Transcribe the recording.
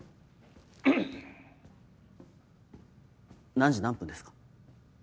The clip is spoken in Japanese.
何時何分ですか？